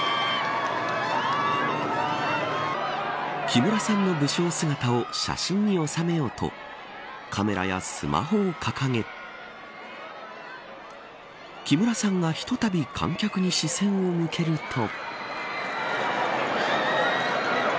木村さんの武将姿を写真に収めようとカメラやスマホを掲げ木村さんが、ひとたび観客に視線を向けると。